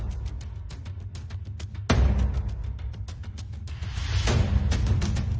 เขาเพิ่งล้างร้านเมื่อกี้นี่เองไม่เห็นหอกครับตามบอกสุดแหลง